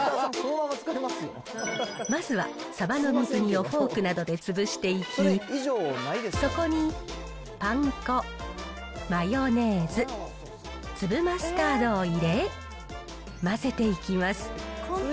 まずはサバの水煮をフォークなどで潰していき、そこにパン粉、マヨネーズ、粒マスタードを入れ、混ぜていきます。